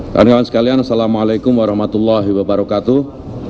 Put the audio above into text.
kawan kawan sekalian assalamu alaikum warahmatullahi wabarakatuh